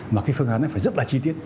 mà cái phương án này phải rất là chi tiết